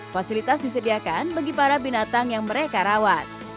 fasilitas disediakan bagi para binatang yang mereka rawat